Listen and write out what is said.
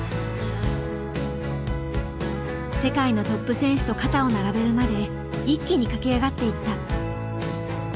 世界のトップ選手と肩を並べるまで一気に駆け上がっていった。